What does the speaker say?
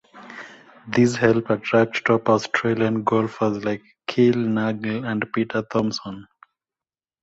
This helped attract top Australian golfers like Kel Nagle and Peter Thomson.